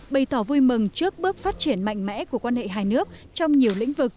bày tỏ vui mừng trước bước phát triển mạnh mẽ của quan hệ hai nước trong nhiều lĩnh vực